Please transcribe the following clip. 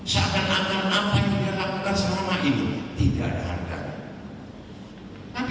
seakan akan apa yang dia lakukan selama ini tidak ada harganya